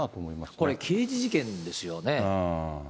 これ、刑事事件ですよね。